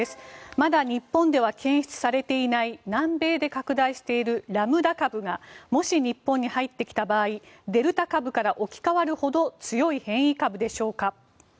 まだ日本では検出されていない南米で拡大しているラムダ株がもし日本に入ってきた場合デルタ株から置き換わるほど強い変異株でしょうか。